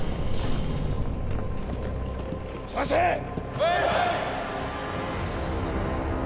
はい！